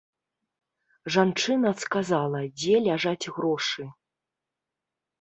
Жанчына сказала, дзе ляжаць грошы.